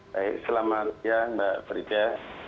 baik selamat siang mbak frida